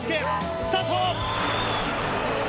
スタート！